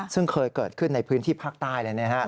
ซึ่งเคยเกิดขึ้นในพื้นที่ภาคใต้เลยนะครับ